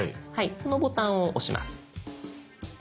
このボタンを押します。